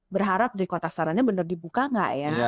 berharap dari kotak sarannya benar dibuka nggak ya